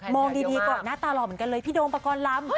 องดีก่อนหน้าตาหล่อเหมือนกันเลยพี่โดมปกรณ์ลำ